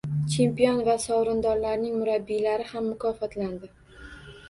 Chempion va sovrindorlarning murabbiylari ham mukofotlandi